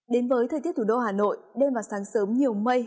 đến với thời tiết thủ đô hà nội đêm và sáng sớm nhiều mây